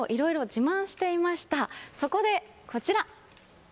そこでこちら！